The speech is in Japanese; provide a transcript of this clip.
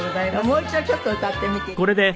もう一度ちょっと歌ってみていただける？